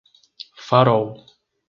Farol